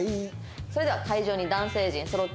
それでは会場に男性陣そろっております。